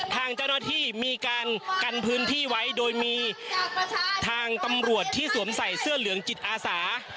ทางเจ้าหน้าที่มีการกันพื้นที่ไว้โดยมีทางตำรวจที่สวมใส่เสื้อเหลืองจิตอาสา